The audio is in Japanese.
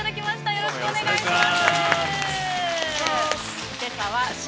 よろしくお願いします。